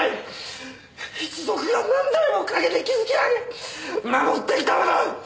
一族が何代もかけて築き上げ守ってきたものを！